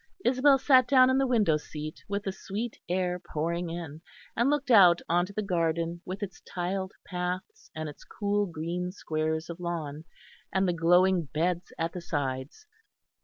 Isabel sat down in the window seat with the sweet air pouring in and looked out on to the garden with its tiled paths and its cool green squares of lawn, and the glowing beds at the sides.